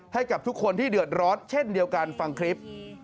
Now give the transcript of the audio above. ให้กับทุกคนที่เดือดร้อนเช่นเดียวกันฟังคลิป